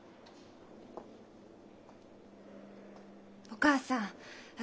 お母さん私。